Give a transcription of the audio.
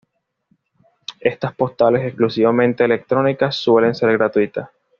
Estas postales, exclusivamente electrónicas, suelen ser gratuitas.